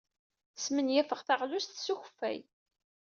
Smenyafeɣ taɣlust s ukeffay.